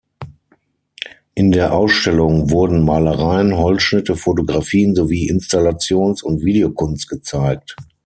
In der Ausstellung wurden Malereien, Holzschnitte, Fotografien sowie Installations- und Videokunst gezeigt.